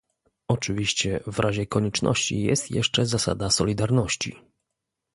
Oczywiście w razie konieczności jest jeszcze zasada solidarności